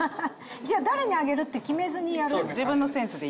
じゃあ誰にあげるって決めずにやる。